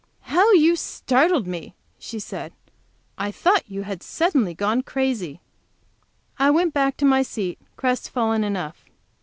"How you startled me!" she said. "I thought you had suddenly gone crazy." I went back to my seat crestfallen enough.